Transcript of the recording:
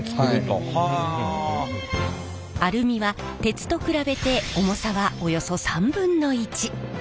アルミは鉄と比べて重さはおよそ３分の１。